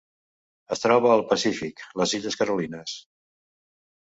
Es troba al Pacífic: les illes Carolines.